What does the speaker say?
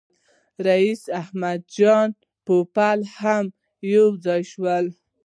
رییس احمد جان پوپل هم یو ځای شو.